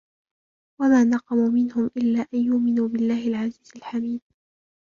وَمَا نَقَمُوا مِنْهُمْ إِلَّا أَنْ يُؤْمِنُوا بِاللَّهِ الْعَزِيزِ الْحَمِيدِ